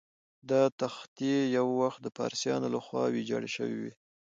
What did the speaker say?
دا تختې یو وخت د پارسیانو له خوا ویجاړ شوې وې.